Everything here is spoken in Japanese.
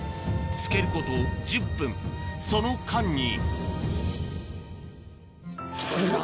漬けること１０分その間に太いな。